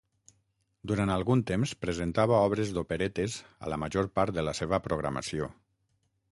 Durant algun temps presentava obres d'operetes a la major part de la seva programació.